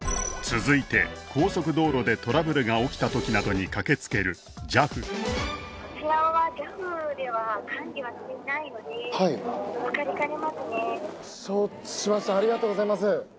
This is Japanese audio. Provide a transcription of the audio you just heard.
続いて高速道路でトラブルが起きた時などに駆けつけるＪＡＦはいすいません